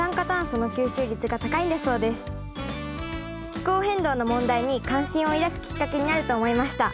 気候変動の問題に関心を抱くきっかけになると思いました。